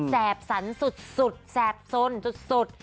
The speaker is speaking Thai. แบบสันสุดแสบสนสุด